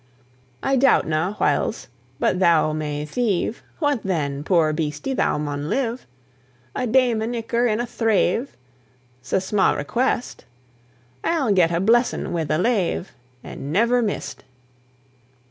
I doubtna, whiles, but thou may thieve; What then? poor beastie, thou maun live! A daimen icker in a thrave 'S a sma' request: I'll get a blessin' wi' the lave, And never miss 't!